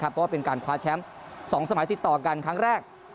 เพราะว่าเป็นการคว้าแชมป์๒สมัยติดต่อกันครั้งแรก